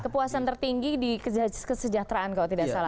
kepuasan tertinggi di kesejahteraan kalau tidak salah